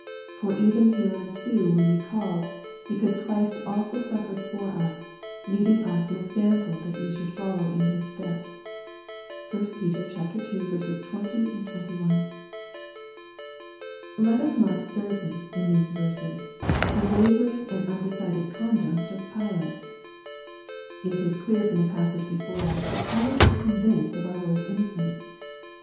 For even hereunto were ye called, because Christ also suffered for us, leaving us an example that ye should follow His steps." (1 Pet. ii. 20, 21.) Let us mark, thirdly, in these verses, the wavering and undecided conduct of Pilate. It is clear from the passage before us that Pilate was convinced of our Lord's innocence.